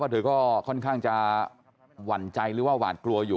เธอก็ค่อนข้างจะหวั่นใจหรือว่าหวาดกลัวอยู่